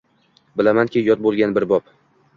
Bilamanki, yod bo’lgan bir bob